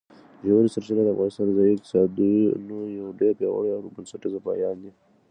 ژورې سرچینې د افغانستان د ځایي اقتصادونو یو ډېر پیاوړی او بنسټیز پایایه دی.